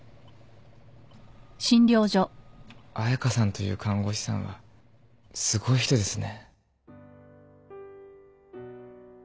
彩佳さんという看護師さんはすごい人ですね。